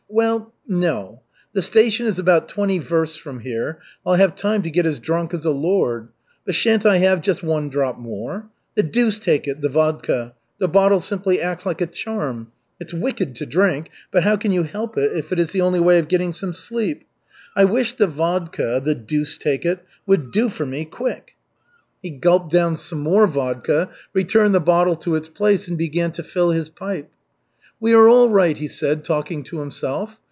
Well, no. The station is about twenty versts from here. I'll have time to get as drunk as a lord. But shan't I have just one drop more? The deuce take it, the vodka. The bottle simply acts like a charm. It's wicked to drink, but how can you help it, if it is the only way of getting some sleep? I wish the vodka, the deuce take it, would do for me quick." He gulped down some more vodka, returned the bottle to its place, and began to fill his pipe. "We are all right," he said, talking to himself.